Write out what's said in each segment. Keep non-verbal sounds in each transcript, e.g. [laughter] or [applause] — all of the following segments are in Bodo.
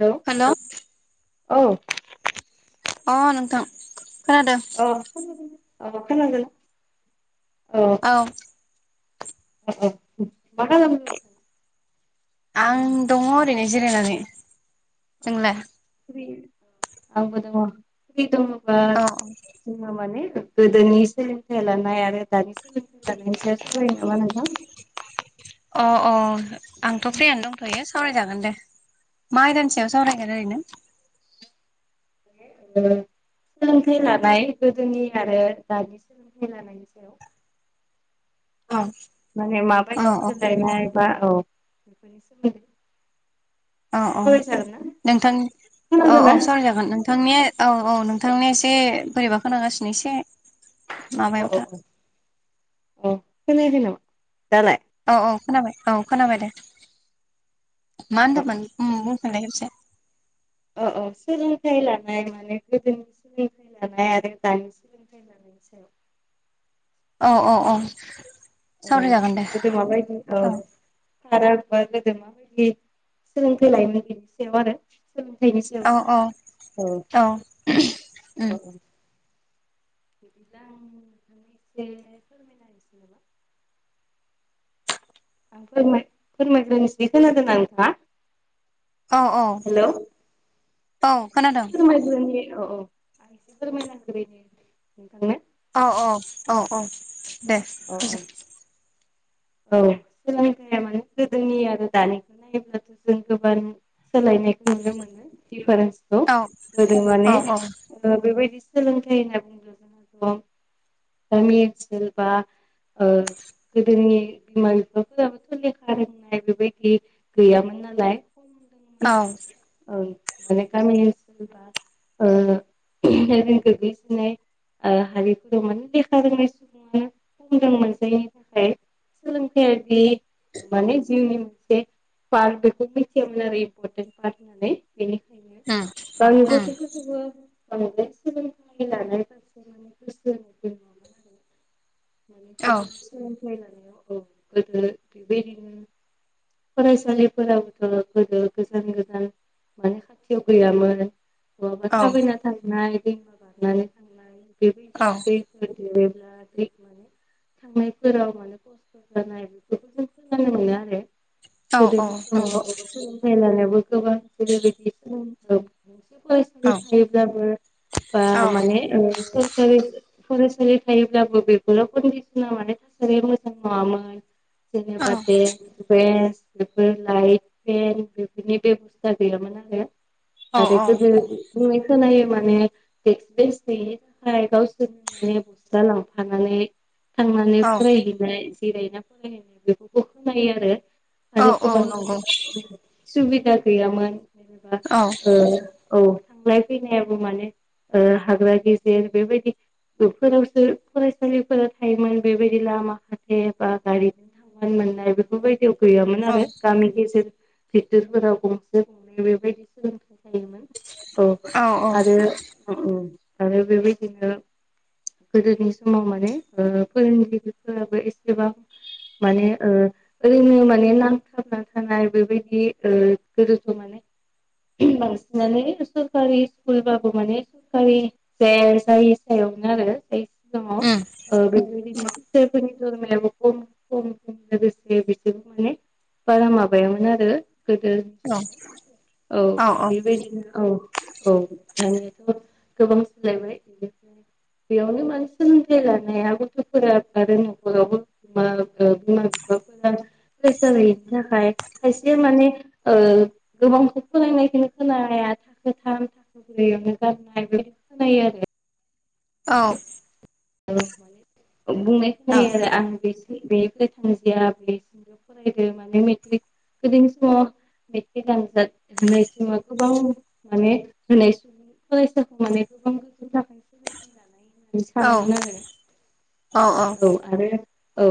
हेल' औ अ नोंथां खोनादों औ खोन औ खोनादोंना औ औ [unintelligible] आं दङ ओरैनो जिरायनानै नोंलाय? [unintelligible] औ जोंहा माने गोदोनि सोलोंथाइ लानाय आरो दानि सोलोंथाइ लानाय सोलोंथाइ लानायनि सायाव सावरायनो नामा नोंथां? अ अ आंथ' फ्रियानो दंथ'यो सावरायजागोन दे मा आयदानि सायाव सावरायगोन ओरैनो? ओ सोलोंथाइ लानाय गोदोनि आरो दानि सोलोंथाइ लानायनि सायाव औ माने औ माबायदि सोलायनाय बा अ बेफोरनि सोमोन्दै अ अ सावरायजागोन ना नोंथां अ अ खोनादोंना? सावराय जागोन नोंथांनिया अ अ नोथांनिया एसे बोरैबा खोनांगासिनो एसे अ माबायाव अ अ था अ खोनायाखै नामा दालाय? औ औ खोनाबाय औ खोनाबाय दे मा औ औ होनदोंमोन उ बुंफिननाय खेबसे औ औ सोलोंथाइ लानाय माने गोदोनि सोलोंथाइ लानाय आरो दानि [unintelligible] औ औ औ औ सावरायजागोन दे गोदो माबायदि औ [unintelligible] गोदो माबायदि सोलोंथाइ लायोमोन बेनि सायाव आरो सोलोंथाइनि औ औ सायावनो औ औ औ [unintelligible] आं फोर फोरमायग्रोनोसै खोनादोंना नोंथांङा? औ हेल' [unintelligible] औ फोरोंगिरि खोनादों औ औ आं एसे फोरमायना होग्रोनि नोंथांनो औ औ औ औ दे अ फोजोब औ औ सोलोंथाइया माने गोदोनि आरो दानिखौ नायोब्लाथ' जों गोबां सोलायनायखौ नुनो मोनो दिफारेन्सखौ औ गोदो औ माने औ ओ बेबायदि सोलोंथाइ होनना बुंनो जोन दं गामि ओनसोल बा ओ गोदोनि बिमा बिफाफोराबोथ' लेखा रोंनाय बेबायदि गैयामोन नालाय औ औ माने गामि ओनसोल ओ जों गोग्लैसोनाय ओ हारिफोराव माने लेखा रोङै सुबु ङा मोजां मोनजायैनि थाखाय सोलोंथाइयारि माने जिउनि मोनसे पार्ट बेखौ मिथियामोन आरो इम्परटेन्ट पार्ट होननानै उम बेनिखायनो आंनि उम गथ'फोरखौबो औ बे सोलोंथाय लानाय मानसिनि गोसो आरो माने औ गोदोनि सोलोंथाइ लानायाव औ गोदो बेबायदिनो फरायसालिफोराबोथ' गोदो गोजान गोजान माने खाथियाव गैयामोन बहाबा औ थाबायना थांनाय दैमा बारनानै थांनाय बेबायदिनो दैफोर देरोब्ला [unintelligible] थांनायफोराव माने खस्थ' जानाय बेफोरखौ जों खोनानो मोनो आरो औ औ नंगौ गोदो समाव [unintelligible] [unintelligible] जेरैबायदि [unintelligible] [unintelligible] औ थायोब्लाबो बा माने ओ सरकारि फरायसालि थायोब्लाबो बेफोराव कन्दिसना माने थासारिया मोजां नङामोन जेनेबा औ [unintelligible] बेन्स बेफोर लाइट पेन बेफोरनि बेबस्था गैयामोन आरो औ आरो औ औ नंगौ गोदो बुंनाय खोनायो माने डेस्क बेन्स गैयिनि थाखाय गावसोरनि माने बस्था लांफानाय माने थांनानै औ फरायहैनाय जिरायना फरायहैनाय बेफोरखौ खोनायो आरो आरो औ औ गोबां नंगौ औ सुबिदा गैयामोन ओ औ थांलाय फैनायाबो माने ओ हाग्रा गेजेर बेबायदि बेफोरावसो फरायसालिफोरा थायोमोन बेबायदि लामा खाथे बा गारिजों थांनानै मोननाय बेफोरबायदियाव गैयामोन आरो गामि गेजेर बिथोरफोराव गंसे गंनै बेबायदि सोलोंथाइ थायोमोन औ आरो ओ आरो बेबायदिनो गोदोनि समाव माने ओ फोरोंगिरिफोराबो एसेबां माने ओ ओरैनो माने नांथाब नांथानाय बेबायदि ओ गोदोथ' माने बांसिनानो सरखारि स्कुलबाबो माने सरखारि जा जाय सायावमोन आरो जाज सिगाङाव औ ओ बेबायदिनो सियारफोरनि दरमायाबो खम खममोन लोगोसे बेसेबो माने बारा माबायामोन आरो गोदो औ औ बेबायदिनो औ औ आंनियाथ' गोबां सोलायबाय बेनिफ्राय बेयावनो मानसि सोलोंथाइ लानाया गथ'फोरा आरो नखरावबो बिमा बिफाफोरा फैसा गैयैनि थाखाय खायसे माने ओ गोबांखौ फरायनायखौनो खोनाया थाखोथाम दैयावनो गारबोनाय बेबायदि खोनायो आरो औ औ बुंनायसो जायो आरो आं [unintelligible] फरायो माने मेट्रिक गोदोनि समाव बे आनजाद होनाय सम गोबां माने होनाय सम फरायसाखौ माने गोबां [unintelligible] होननानै सानोमोन आरो औ आरो औ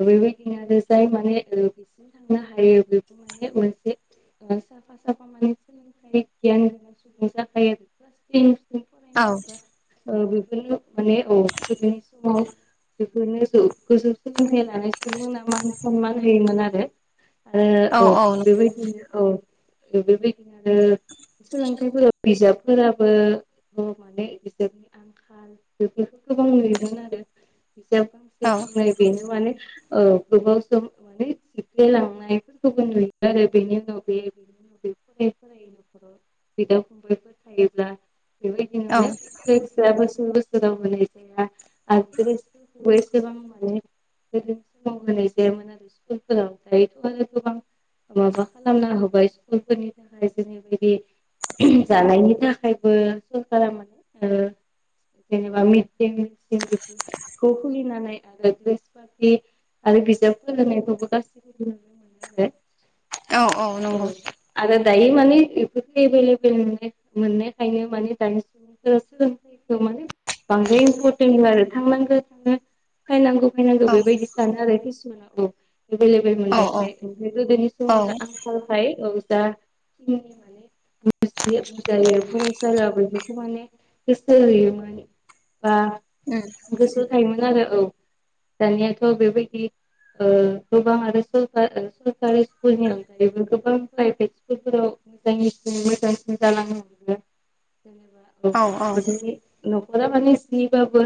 ओ बेबायदिनो आरो जाय माने थांनो हायो बेबो मान मोनसे साफा साफा माने सोलोंथाइ गियान गोनां सुबुं जाखायो क्लास टेनसिम फरायनाय बा ओ बेफोरनो माने औ गोदोनि समाव बेखौनो जौ गोजौ सोलोंथाइ लानाय सुबुं होननना मान सनमान होयोमोन आरो आरो औ बेबायदिनो औ बेबायदिनो आरो सोलोंथाइफोर बिजाबफोराबो माने बिजनि बेफोरखौ गोबां नुयोमोन आरो बिजयाव गांसे गांनाय बेनो माने गोबाव सम माने सिफ्ल लांनायफोरखौ नुयो आरो बेनि उनाव बे बे फ फै न'खराव बिदा फंबायफोर थायोब्ला बेबायदिनोेस बोसोर बोसोराव होनाय जाया आरो ्रेसफोरखौबो एसेबां माने गोदनि समाव होनाय जायामोन आरो स्कुलफोराव दायोथ' आरो गोबां माबा खालामना होबाय स्कुलफोरनि थाखाय जेरैबायदि जानायनि थाखायबो सखारा माने जेनेबा मिसें सिंज खौ खुलिनानै आरो द्रेस पार्टि आरो बिजाब फोलोंनायखौबो गासैबो नुनो मोनो दे औ औ नंगौ आरो दायो माने बेफोरखौो एभेलेबेल मोननायखायनो माने दानिसिम [unintelligible] मे बांद्राय इम्परटेन्ट आरो थांनांगौ थांनो फैनांगौ फैनांगौ बेबायदि सानो आरो किसुमाना औ एभेलेबल मोननायखाय ओमफ्राय गोदोनि समाव आं ओमफाय औ दा बुजलि फसारला बेफोरखौ माने स मानि बा उ गोसोआव थायोमोन आरो औ दानियाथ' बेबायदि गोबां आरो सरकारि स्कुलनि अनगायैबो गोबां प्राइभेट स्कुलफोराव जालां जेनेबा औ औ न'खरा माने स्निबाबो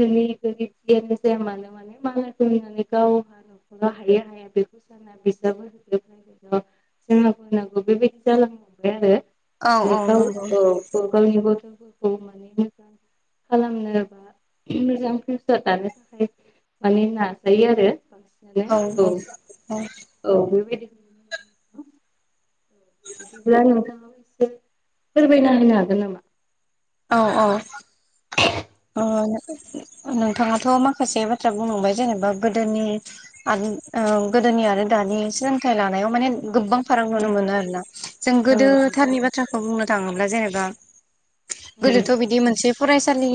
जोंनि गोरिबयानो जाया मानो मालाय खनानै गावहा न'खरा हायो हाया बेखौ सानो जोंना बिजाबो होदो' जोंनना बुंनांगौ बेबायदि जालांबांबाय आरो माने गाव गावनि गथ'फोरखौ माने मोजां खालामनोबा मोजां फिउसार दानो थाखाय माने नाजायो आरो औ औ औ औ बेबायदि बिदिब्ला नोंथां फोरमायनाहैनो हागोन नामा औ औ ओ नोंथाङाथ' माखासे बाथ्रा बुंलांबाय जेनेबा गोदोनि आरो गोदोनि आरो दानि सोलोंथाइ लानायाव माने गोबां फाराग नुनो मोनो आरो ना जों औ नंगौ औ गोदोथारनि बाथ्राखौ बुंनो थाङोब्ला जेनेबा गोदोथ' बिदि मोनसे फरायसालि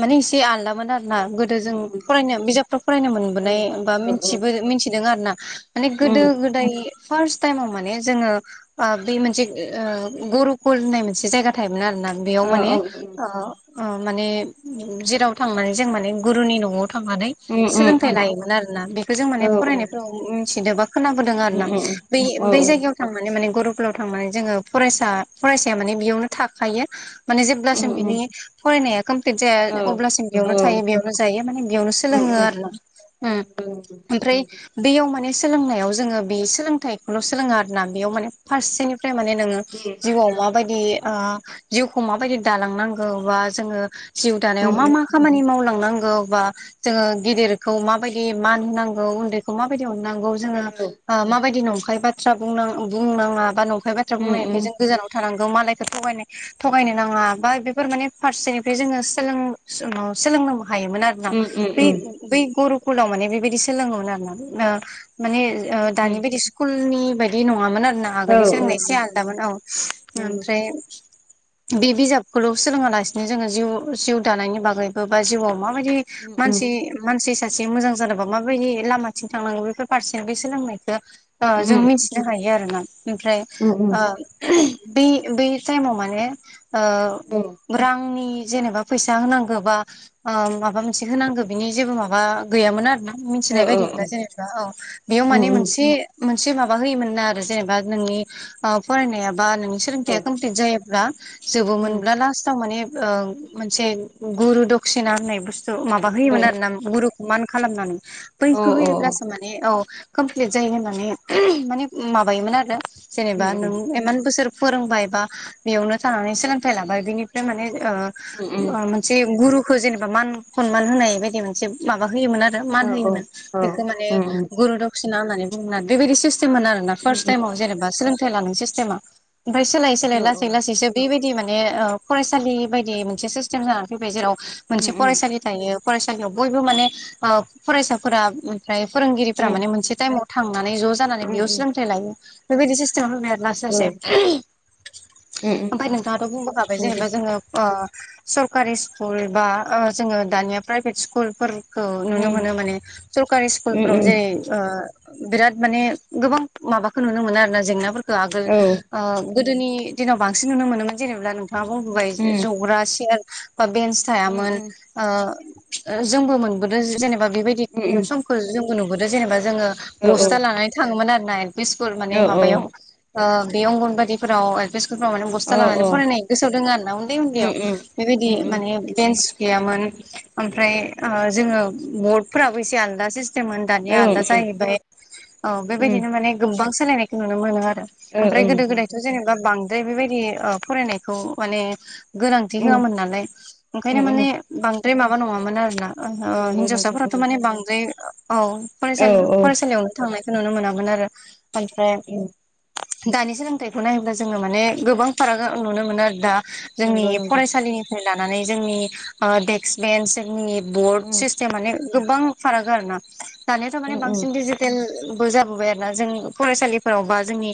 माने एसे आलदामोन आरोना गोदो जों औ फरायनो बिजाबफोराव फरायनो मोनबोनाय बा मिथिबो मिथिदों आरो ना माने गोदो गोदाय फार्स्ट टाइमाव माने जोङो बे मोनसे गरगल होननाय मोनसे जायगा थायोमोन आरो ना बेयाव माने माने जेराव थांनानै जों माने गुरुनि न'आव थांनानै सोलोंथाइ लायोमोन आरोना बेखौ जों माने फरायनायफ्राव मिथिदों बा खोनोदों आरो ना ब बै जायगायाव माने माने गरफुलाव थांनानै जोङो फरायसा फरायसाया माने बेयावनो थाखायो माने जेब्लासिम बिनि फरायनाया कमप्लिट जाया अब्लासिम बेयावनो थायो बेयाव नो जायो माने बेयावनो सोलोङो आरो ना उम ओमफ्राय बेयाव माने सोलोंनायाव जोंङो बे सोलोंथाइखौल' सोलोंङो आरोना बेयाव माने फारसेनिफ्राय माने नोंङो जिउआव माबायदि आ जिउखौ माबायदि दालांनांगौ बा जोंङो जिउ दानायाव मा मा खामानि मावलांनांगौ बा जोंङो गिदिरखौ माबायदि मान होनांगौ उन्दैखौ माबायदि अननांगौ जोंङो माबायदि नंखाय बाथ्रा बुंनांङा बा नंखाय बाथ्रा बुंनायखाय जों गोजानाव थानांगौ मालायखौ थगायनाय थगायनो नांङा बा बेफोर माने फारसेनिफ्राय जोंङो सोलोंग सोलोंनो हायोमोन आरो। बै गुरु कुलाव माने बेबायदि सोलोंङोमोन आरो ना माने दानि बायदि स्कुलनि बायदि नंङामोन आरो ना। आगोलनिसो होननाय एसे आलदामोन औ ओमफ्राय बे बिजाबखौल' सोलोंङालासिनो जोंङो जिउ जिउ दानायनि बागैबो बा जिउआव माबायदि? मानसि मानसि सासे मोजां जानोबा माबायदि लामाथिं थांनांगौ बेफोर फारसे बे सोलोंनायखौ जों मिथिनो हायो आरोना ओमफ्राय ब बै थाऐम माने ओ रांनि जेनेबा फैसा होनांगौ बा माबा मोनसे होनांगौ बिनि जेबो माबा गैयामोन आरो ना। मिथिनाय बायदिब्ला जेनेबा औ बेयाव माने मोनसे मोनसे माबा होयोमोन ना आरो जेनेबा नोंनि फरायनाया बा नोंनि सोलोंथया खमफेलेट जायोब्ला जोबोमोनब्ला लास्टाव माने मोनसे गुरु दक्सििना होननाय बुस्थु माबा होयोमोन आरो ना। गुरुखौ मान खालामनानै बैखौ होयोब्लासो मान मे औ कमप्लिट जायो होननानै माने माबायोमोन आरो जेनेबा नों एमान बोसोर फोरोंबाय बा बेयावनो थानानै सोलोंथाइ लाबाय बिनिफ्राय माने मोनसे गुरुखौ जेनेबा मान सनमान होनाय बायदि मोनसे माबा होयोमोन। आरो मान होयोमोन बेखो माने औ गुरु दक्सििना होननानै बुोन आरो बेबायदि सिस्टेममोन आरोना औ फार्स्ट औ टाइमाव जेनेबा सोलोंथाइ लानाय सिस्टेमा। ओमफ्राय सोलायै औ बेलाय लासै लासैसो बेबायदि माने फरायसालि बायदि मोनसे सिस्टेम जानानै फैबाय जेराव उम मोनसे उम फरायसालि थायो। फरायसालियाव बयबो माने फरायसाफोरा ओमफ्राय फोरोंगिरिफ्रा उम माने मोनसे टाइमाव थांनानै ज' जानानै उम बेयाव उम सोलोंथाइ लायो बेबायदि सिस्टेम होनाय आरो लासै औ सासे उम ओमफ्राय उम नोंथाङाथ' बुंबोखाबाय नंगौ जेनेबा जोंङो? सरकारि स्कुल बा जोंङो दानिया प्राइभेट स्कुल फोरफोरखौ नुनो उम मोनो माने सरकारि स्कुलफ्राव उम जेरै बिराद माने गोबां माबाखौ नुनो मोनो आरोना जेंनाफोरखौ। आगोल औ आ गोदोनि दिनाव बांसिन नुनो मोनोमोन जेनेबा नोंथांङा बुंबोबाय उम दौग्रा सेयार बा बेन्स उम उम जोंबो मोनबोदों जेनेबा बेबायदि उम सल जोंबो नुबोदों जेनेबा जोंङो औ बस्था लानानै थांङोमोन आरो ना एल पि स्कुल माने औ औ माबायाव बे अंगनबादिफोराव स्कुलाव माने बस्था अ लानानै अ फरायनाय गोसो दंङ आरो ना उन्दै उम उन्दैयाव उम बेबायदि उम उम माने बेन्स गैयामोन ओमफ्राय जोंङो बर्डफोराबो एसे आलदा सि स्मोन दानिया औ उम आलादा जाहैबाय औ उम बेबायदिनो माने गोबां सोलायनायखौ नुनो मोनो आरो। ओमफ्राय गोदो गोदाय जेनेबा बांद्राय बेबायदि फरायनायखौ माने गोनांथि ओ ओं उम होआमोन नालाय ओंखायनो उम माने उम नंगौ बांद्राय माबा नंङामोन आरोना नंगौ हिनजावसाफोराथ' उम माने बांद्राय औसा औ औ फरायसालियावनो थांनायखौ नुनो मोनोन आरो ओमफ्राय उम दानि सोल फिथाइखौ नायोब्ला जोंङो माने गोबां फाराग नुनो मोनो आरो दा जोंनि नंगौ नंगौ फरायसालिनि लानानै जोंनि ओ देक्स बेन्स जोंनि बर्ड उम सिस्तेम माने गोबां फाराग आरो ना दानियाथ' माने उम उम बांसिन दिजि टेल बो जाबोबाय आरो ना जों फरायसालिफोराव बा जोंनि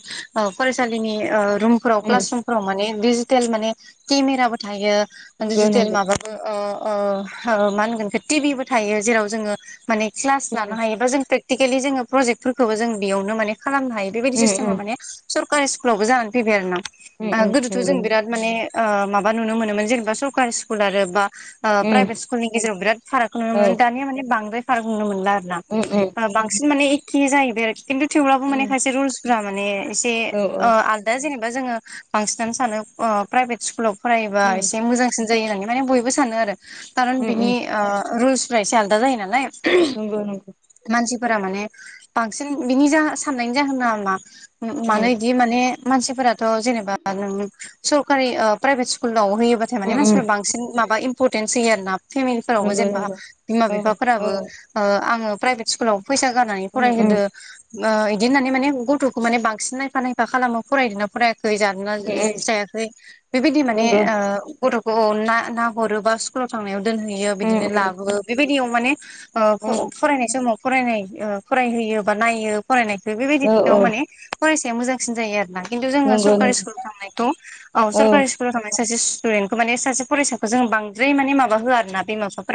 फरायसालिनि ओ रुम फोराव उम क्लास रुमफोराव माने दिजिटेल माने केमेराबो थायो नंगौ दिजिटेल नंगौ माबा ओ ओ ओ मा होनगोन टिभिबो थायो जेराव जोङो माने क्लास लानो उम हायोबा जों प्रेकटिकेलि जोङो प्रजेक्टफोरखौबो जों बेयावनो माने खालामनो हायो। बेबायदि उम सिस्टेमा उम माने सरकारि स्कुलावबो जानानै फैबाय आरो ना उम उम गोदोथ' जों नंगौ बिराद माने ओ माबा नुनो मोनोमोन जेनेबा सरकारि स्कुल आरो बा ओ उम प्राइभेट स्कुलनि गेजेराव बिराद फारागखौ नुनो औ मोन दानिया माने बांद्राय फाराग नुनो मोनला आरो ना। उम उम बांसिन माने एखे जाहैबाय आरो खिन्थु थेवब्लाबो उम माने खायसे रुलसफोरा माने एसे औ औ आल दा जेनेबा जोङो बांसिनानो सानो प्राइभेट स्कुलाव फरायोबा उम एसे मोजां सिन जायो होननानै माने बयबो सानो आरो खारन उम बिनि उम रुल्सफ्रा एसे आलदा जायो नालाय नंगौ नंगौ मानसिफोरा माने बांसिन बिनि जा साननायनि जाहोना मा उम मानो दि माने मानसिफोराथ' जेनेबा नों सरकारि ओ प्राइभेट स्कुलाव होयोबा थाय माने उम उम मानसिफ्रा बांसिन माबा इम्परटेन्स होयो आर ना फेमिलिफोरावबो नंगौ जेनेबा नंगौ बिमा औ औ बिफाफोराबो आङो प्राइभेट स्कुलाव फैसा गारनानै उम उम फरायहोदो ओ इदि होननानै माने गथ'खौ माने बांसिन नायफा नायफ फा खालामो फरायदोंना फरायाखै जादोना उम उम जायाखै बेबायदि माने नंगौ ओ गथ'खौ ना-ना हरो बा स्कुलाव थांनायाव दोनहैयो उम बिदिनो उम लाबोयो बेबायदियाव माने ओ उम फरायनाय समाव फरायनाय ओ फरायहोयो बा नायो फरायनायखौ औ बेबायदियाव औ माने फरायसाया मोजांसिन जायो आरो ना। खिन्थु जोङो नंगौ सरकारि नंगौ स्कुल थांनायखौ औ सरकारि स्कु स्कुलाव थांनाय सासे स्टुदेनखौ माने सासे फरायसाखौ जो बांद्राय माने माबा होआ आरोना बिमा -बिफाफोरा